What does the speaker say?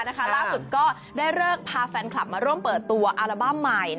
ล่าสุดก็ได้เลิกพาแฟนคลับมาร่วมเปิดตัวอัลบั้มใหม่